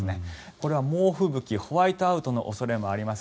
これは猛吹雪、ホワイトアウトの恐れもあります。